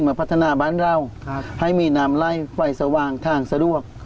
พัฒนาบ้านเราให้มีน้ำไล่ไฟสว่างทางสะดวก